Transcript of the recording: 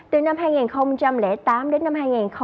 từ năm hai nghìn tám đến năm hai nghìn một mươi ba